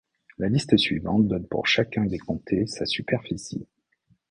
La liste suivante donne pour chacun des comtés sa superficie.